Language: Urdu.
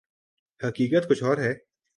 حقیقت کچھ اور ہے۔